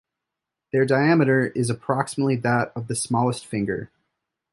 Their diameter is approximately that of the smallest finger.